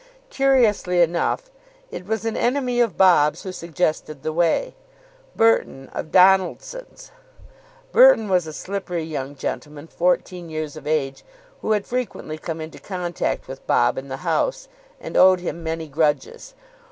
Curiously enough, it was an enemy of Bob's who suggested the way Burton, of Donaldson's. Burton was a slippery young gentleman, fourteen years of age, who had frequently come into contact with Bob in the house, and owed him many grudges.